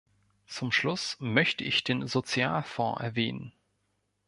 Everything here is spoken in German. Zum Schluss möchte ich den Sozialfonds erwähnen.